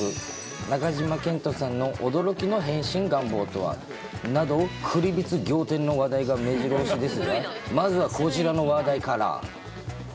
中島健人さんの驚きの変身願望とは。などくりびつ仰天の話題でめじろ押しですが、まずはこちらの話題から。